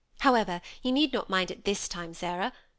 " However, you need not mind it this time, Sarah.